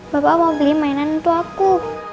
bapak mau beli mainan untuk aku